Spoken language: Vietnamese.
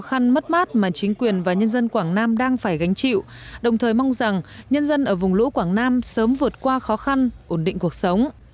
khó khăn mất mát mà chính quyền và nhân dân quảng nam đang phải gánh chịu đồng thời mong rằng nhân dân ở vùng lũ quảng nam sớm vượt qua khó khăn ổn định cuộc sống